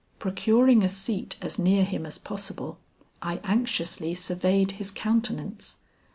Procuring a seat as near him as possible, I anxiously surveyed his countenance.